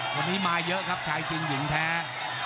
วันนี้มาเยอะครับชายจริงหญิงแท้